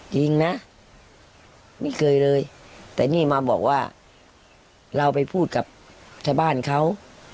จริงนะไม่เคยเลยแต่นี่มาบอกว่าเราไปพูดกับชาวบ้านเขา